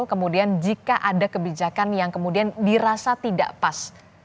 kemudian jika ada kebijakan yang kemudian dirasa tidak pas